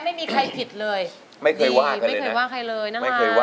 ไม่เคยว่าใครเลยดีมากเลยนะครับ